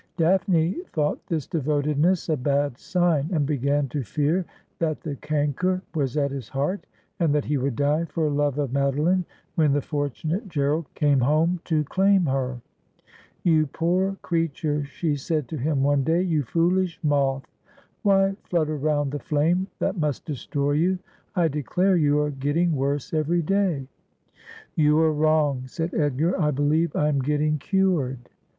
Daphne thought this devotedness a bad sign, and began to fear that the canker was at his heart, and that he would die for love of Madoline when the fortunate Gerald came home to claim her. ' You poor creature,' she said to him one day, ' you foolish moth, why flutter round the flame that must destroy you ? I declare you are getting worse every day.' ' You are wrong,' said Edgar ;' I believe I am getting cured.'